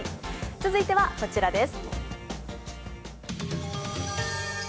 続いてはこちらです。